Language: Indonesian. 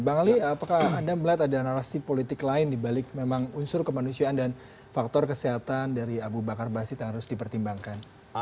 bang ali apakah anda melihat ada narasi politik lain dibalik memang unsur kemanusiaan dan faktor kesehatan dari abu bakar basir yang harus dipertimbangkan